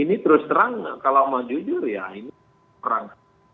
ini terus terang kalau mau jujur ya ini perang